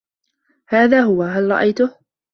ها هو. هل رأيته؟